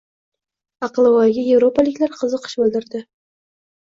«Aqlvoy»ga yevropaliklar qiziqish bildirding